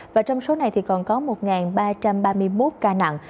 và trong số này còn có một ba trăm ba mươi một ca nặng